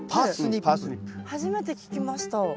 初めて聞きました。